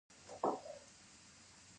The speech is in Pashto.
پکتیکا ولایت د افغانستان نوم روښانه کړي.